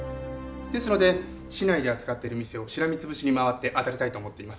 ですので市内で扱ってる店をしらみ潰しに回ってあたりたいと思っています。